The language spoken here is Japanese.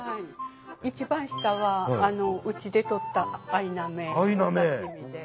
一番下はうちで取ったアイナメお刺し身で。